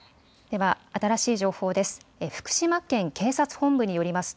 では新しい情報です。